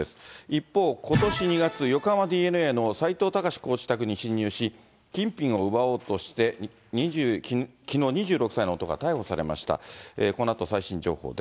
一方、ことし２月、横浜ＤｅＮＡの斎藤隆コーチ宅に侵入し、金品を奪おうとして、きのう、２６歳の男が逮捕されました。